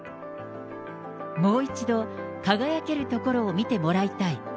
もう一度輝けるところを見てもらいたい。